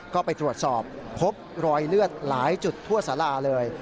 ก็ไปตรวจสอบพบรอยเลือดหลายจุดทั่วสาราเลย